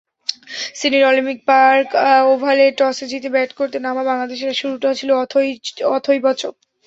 সিডনির Olympic Park ওভালে টসে জিতে ব্যাট করতে নামা বাংলাদেশের শুরুটা ছিল তথৈবচ।